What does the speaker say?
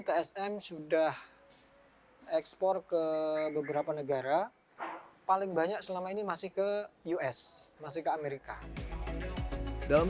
tsm sudah ekspor ke beberapa negara paling banyak selama ini masih ke us masih ke amerika dalam